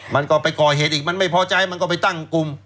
มันก็ไปก่อเหตุอีกมันไม่พอใจมันก็ไปตั้งกลุ่ม